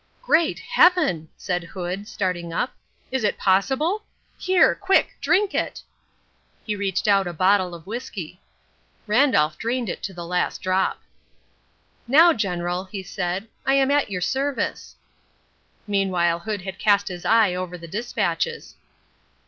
"Great Heaven!" said Hood, starting up. "Is it possible? Here, quick, drink it!" He reached out a bottle of whisky. Randolph drained it to the last drop. "Now, General," he said, "I am at your service." Meanwhile Hood had cast his eye over the despatches.